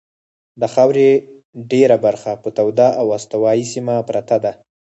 د خاورې ډېره برخه په توده او استوایي سیمه پرته ده.